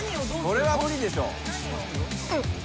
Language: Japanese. それは無理でしょ。